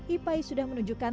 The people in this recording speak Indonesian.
ipai sudah menunjukkan